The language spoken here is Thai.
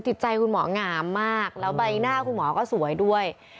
จิตใจคุณหมองามมากแล้วใบหน้าคุณหมอก็สวยด้วย